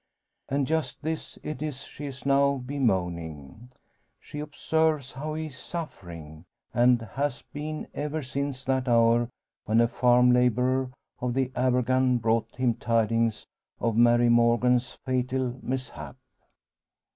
And just this it is she is now bemoaning. She observes how he is suffering, and has been, ever since that hour when a farm labourer from Abergann brought him tidings of Mary Morgan's fatal mishap.